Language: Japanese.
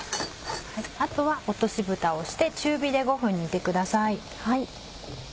あとは落としぶたをして中火で５分煮てください。